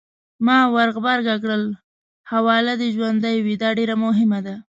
ما ورغبرګه کړل: حواله دې ژوندۍ وي! دا ډېره مهمه ده.